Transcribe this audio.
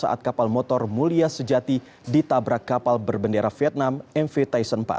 saat kapal motor mulia sejati ditabrak kapal berbendera vietnam mv tyson empat